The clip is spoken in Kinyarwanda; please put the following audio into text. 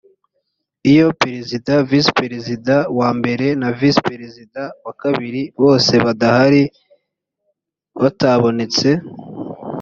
iyo perezida visi perezida wa mbere na visiperezida wa kabiri bose badahari batabonetse